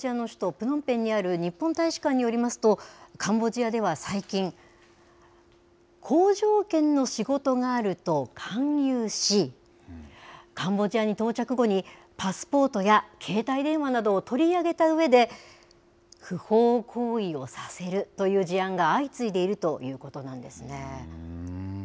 プノンペンにある日本大使館によりますと、カンボジアでは最近、好条件の仕事があると勧誘し、カンボジアに到着後に、パスポートや携帯電話などを取り上げたうえで、不法行為をさせるという事案が相次いでいるということなんですね。